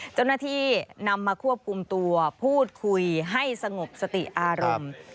เจ้าหน้าที่นำมาควบคุมตัวพูดคุยให้สงบสติอารมณ์